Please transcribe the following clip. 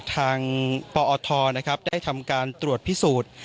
ทางปอทรนะครับได้ทำการตรวจพิสูจน์